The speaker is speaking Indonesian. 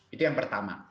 itu yang pertama